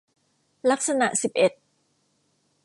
ลักษณะสิบเอ็ด